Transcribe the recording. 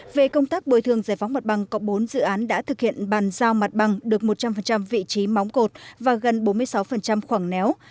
về công tác bồi thường giải phóng mặt bằng cộng bốn dự án đã thực hiện bàn giao mặt bằng được một trăm linh vị trí móng cột và gần bốn mươi sáu khoảng néo